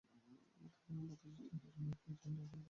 আমার ধারণা বাতাসে টিনটা কাঁপে, ঝন ঝন শব্দ হয়।